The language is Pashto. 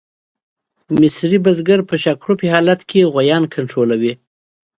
مصري بزګر په شاکړوپي حالت کې غویان کنټرولوي.